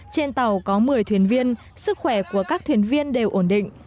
trên tàu có một mươi thuyền viên sức khỏe của các thuyền viên đều ổn định